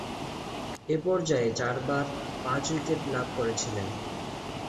এ পর্যায়ে চারবার পাঁচ-উইকেট লাভ করেছিলেন।